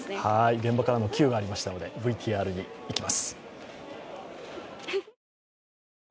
現場からのキューがありましたので、ＶＴＲにいきます。